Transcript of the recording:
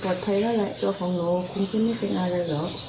ตัวของหนูคงจะปลอดภัยแล้วแหละตัวของหนูคงคิดไม่เป็นอะไรหรือ